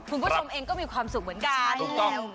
คุณผู้ชมเองก็มีความสุขเหมือนกัน